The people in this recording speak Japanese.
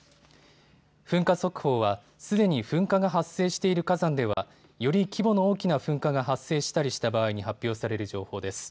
噴火速報はすでに噴火が発生している火山ではより規模の大きな噴火が発生したりした場合に発表される情報です。